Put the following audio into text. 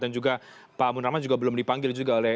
dan juga pak munarman juga belum dipanggil juga